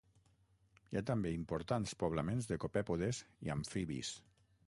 Hi ha també importants poblaments de copèpodes i amfibis.